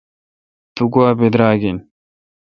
تو گوا براگ این